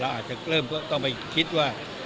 อาจจะเริ่มต้องไปคิดว่า